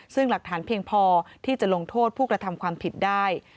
ซึ่งหลักฐานเพียงพอที่จะลงโทษผู้กระทำความผิดได้